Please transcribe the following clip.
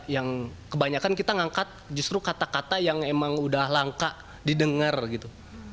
yang kebanyakan kita ngangkat justru kata kata yang emang udah langka didengar gitu